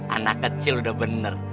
anak kecil udah bener